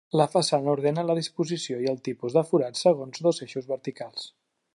La façana ordena la disposició i el tipus de forats segons dos eixos verticals.